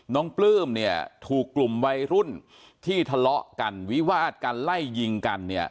น้องปลื้มถูกกลุ่มวัยรุ่นที่ทะเลาะกันวิวาตกันไล่ยิงกัน